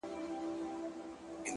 د زنده باد د مردباد په هديره كي پراته،